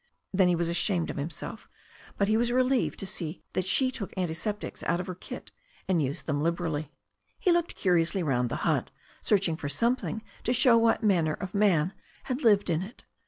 Then he was ashamed of himself, but he was relieved to see that she took antiseptics out of her kit and used them liberally. He looked curiously round the hut, searching for some thing to show what manner of man had lived in it.